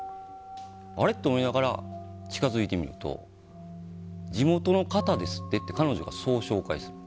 あれ？と思いながら近づいてみると地元の方ですって彼女がそう紹介する。